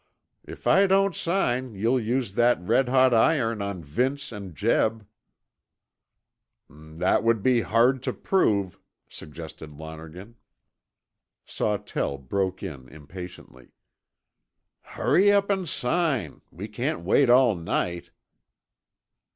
"If I don't sign you'll use that red hot iron on Vince and Jeb." "That would be hard to prove," suggested Lonergan. Sawtell broke in impatiently. "Hurry up and sign we can't wait all night."